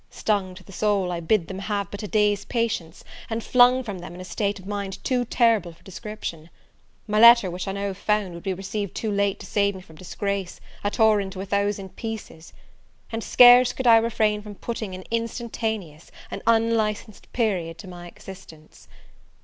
Stung to the soul, I bid them have but a day's patience, and flung from them in a state of mind too terrible for description. My letter which I now found would be received too late to save me from disgrace, I tore into a thousand pieces; and scarce could I refrain from putting an instantaneous, an unlicensed, a period to my existence.